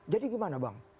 jadi gimana bang